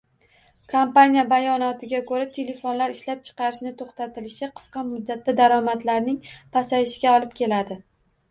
Kompaniya bayonotiga koʻra, telefonlar ishlab chiqarishni toʻxtatilishi qisqa muddatda daromadlarning pasayishiga olib keladi